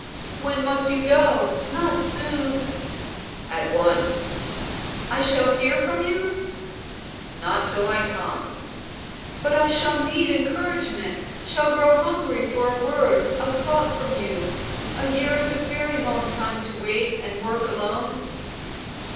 "When must you go? Not soon." "At once." "I shall hear from you?" "Not till I come." "But I shall need encouragement, shall grow hungry for a word, a thought from you. A year is very long to wait and work alone."